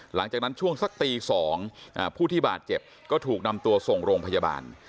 หลังจากนั้นช่วงสักตี๒ผู้ที่บาดเจ็บก็ถูกนำตัวส่งโรงพยาบาล